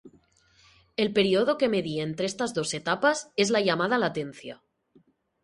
El período que media entre estas dos etapas es la llamada latencia.